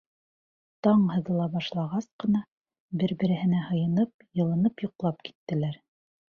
Таң һыҙыла башлағас ҡына, бер-береһенә һыйынып, йылынып йоҡлап киттеләр.